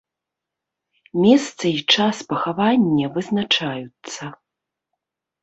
Месца і час пахавання вызначаюцца.